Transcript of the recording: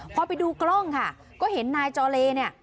พอไปดูกล้องค่ะก็เห็นนายจอเลเนี่ย